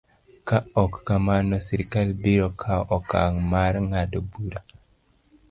Ka ok kamano, sirkal biro kawo okang' mar ng'ado bura.